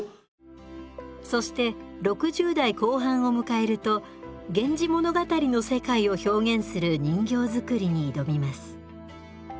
そして６０代後半を迎えると「源氏物語」の世界を表現する人形作りに挑みます。